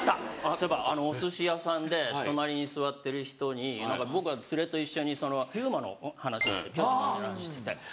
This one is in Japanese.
そういえばお寿司屋さんで隣に座ってる人に僕は連れと一緒に飛雄馬の話してて『巨人の星』の話してて。